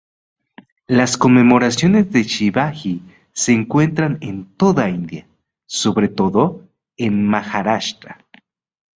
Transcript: Las conmemoraciones de Shivaji se encuentran en toda la India, sobre todo en Maharashtra.